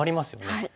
はい。